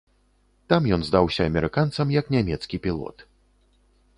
Там ён здаўся амерыканцам як нямецкі пілот.